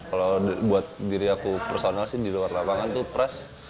kalo buat diri aku personal sih di luar lapangan tuh pras